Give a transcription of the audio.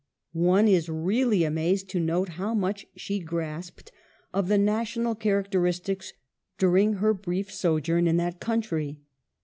One is really amazed to note how much she grasped of the national characteristics during her brief sojourn in that country.